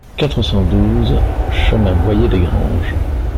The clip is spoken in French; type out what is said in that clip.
quatre cent douze chemin Boyer Desgranges